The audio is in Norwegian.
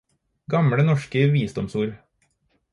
Gamle norske visdomsord.